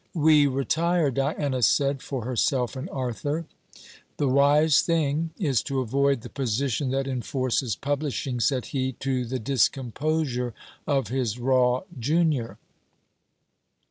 'We retire,' Diana said, for herself and Arthur. 'The wise thing, is to avoid the position that enforces publishing,' said he, to the discomposure of his raw junior.